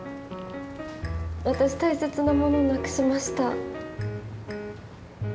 私大切なものなくしました。